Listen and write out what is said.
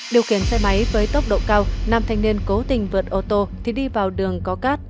điều khiển xe máy với tốc độ cao nam thanh niên cố tình vượt ô tô thì đi vào đường có cát